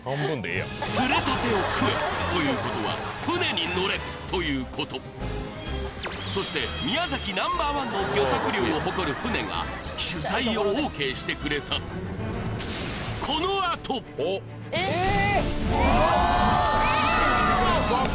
「釣れたてを食え」ということは「船に乗れ」ということそして宮崎Ｎｏ．１の漁獲量を誇る船が取材をＯＫしてくれたうわっ！